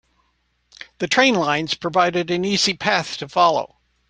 The train lines provided an easy path to follow.